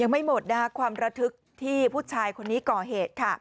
ยังไม่หมดความระทึกที่ผู้ชายคนนี้ก่อเหตุ